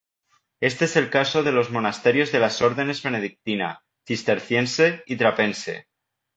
Este es el caso de los monasterios de las órdenes benedictina, cisterciense y trapense.